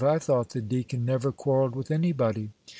"I thought the deacon never quarrelled with any body."